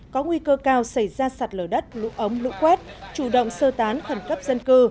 có nguy cơ cao xảy ra sạt lở đất lũ ống lũ quét chủ động sơ tán khẩn cấp dân cư